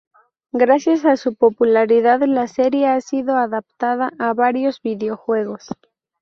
Gracias a su popularidad la serie ha sido adaptada a varios videojuegos.